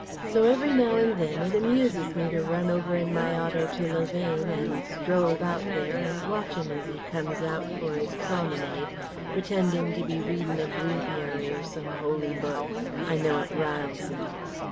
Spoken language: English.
So every now and then it amuses me to run over in my auto to Louvain and stroll about there and watch 'im as 'e comes out for 'is promenade, pretendin' to be readin' a breviary or some holy book. I know it riles 'im....